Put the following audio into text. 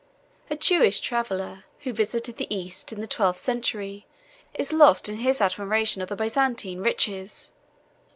A Jewish traveller, who visited the East in the twelfth century, is lost in his admiration of the Byzantine riches.